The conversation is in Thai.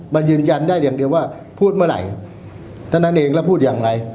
มันยืนยันได้อย่างเดียวว่าพูดเมื่อไหร่เท่านั้นเองแล้วพูดอย่างไร